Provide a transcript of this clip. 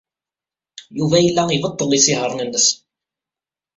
Yuba yella ibeṭṭel isihaṛen-nnes.